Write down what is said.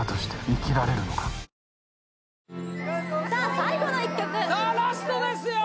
最後の１曲さあラストですよー